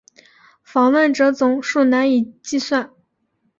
访问者总数难以计算。